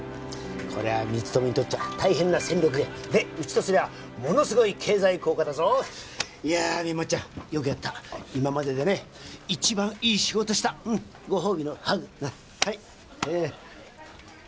こりゃ光友にとっちゃ大変な戦力減でうちとすりゃものすごい経済効果だぞいやあみやもっちゃんよくやった今まででね一番いい仕事したうんご褒美のハグはいねえ